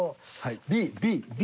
ＢＢ。